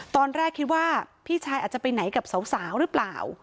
ตอนแรกคิดว่าพี่ชายอาจจะไปไหนกับสาวหรือเปล่า